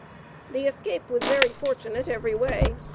The escape was very fortunate every way.